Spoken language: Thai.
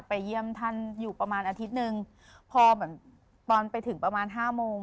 เยี่ยมท่านอยู่ประมาณอาทิตย์หนึ่งพอแบบตอนไปถึงประมาณห้าโมง